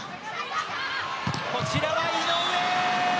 こちらも井上。